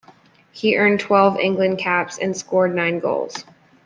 He earned twelve England caps and scored nine goals.